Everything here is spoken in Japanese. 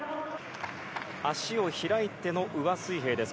足を開いての上水平です